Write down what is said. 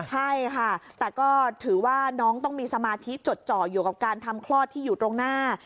ใช่ค่ะแต่ก็ถือว่าน้องต้องมีสมาธิจดจ่ออยู่กับการทำคลอดที่อยู่ตรงหน้า